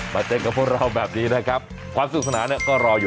เจอกับพวกเราแบบนี้นะครับความสุขสนานเนี่ยก็รออยู่